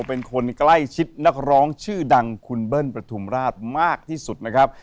เป็นคนใกล้ชิดนักร้องชื่อดังคุณเบิ้ลประทุมราชมากที่สุดนะครับ